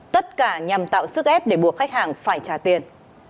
tất cả nhằm tạo sức ép để buộc khách hàng phải trả tiền